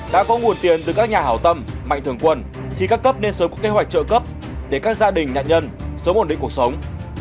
đã có nguồn tiền từ các nhà hảo tâm mạnh thường quân thì các cấp nên sớm có kế hoạch trợ cấp để các gia đình nạn nhân sớm ổn định cuộc sống